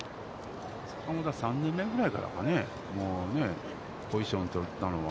坂本は３年目ぐらいからかね、もうポジションとったのは。